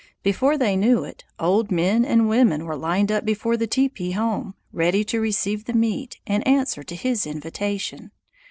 Before they knew it, old men and women were lined up before the teepee home, ready to receive the meat, in answer to his invitation.